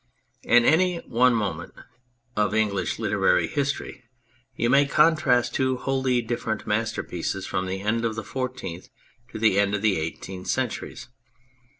In any one moment of English literary history you may contrast two wholly different masterpieces from the end of the Fourteenth to the end of the Eighteenth Centuries.